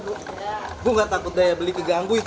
gue gak takut daya beli keganggu itu